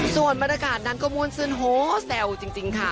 ส่วนบรรยากาศนั้นก็ม่วนซื่นโฮแซวจริงค่ะ